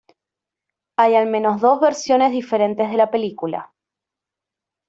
Hay al menos dos versiones diferentes de la película.